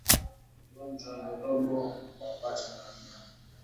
Ugonjwa ndorobo huwapata ngamia